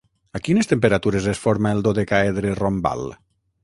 A quines temperatures es forma el dodecaedre rombal?